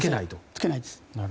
つけないです。